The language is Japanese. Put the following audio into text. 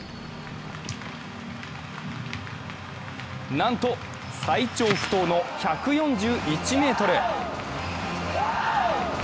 なんと最長不倒の１４１ｍ。